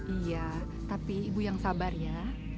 iya tapi ibu yang sabar ya